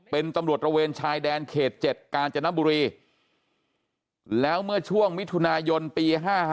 เป็นตำรวจระเวนชายแดนเขต๗กาญจนบุรีแล้วเมื่อช่วงมิถุนายนปี๕๕